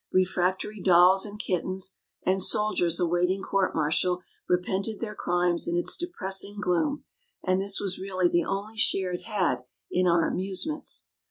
Refractory dolls and kittens, and soldiers awaiting court martial, repented their crimes in its depressing gloom, and this was really the only share it had in our amusements.